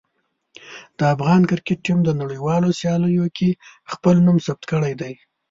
د افغان کرکټ ټیم د نړیوالو سیالیو کې خپل نوم ثبت کړی دی.